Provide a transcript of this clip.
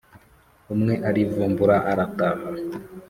umwe arivumbura arataha